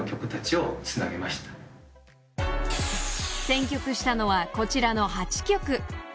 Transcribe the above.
［選曲したのはこちらの８曲］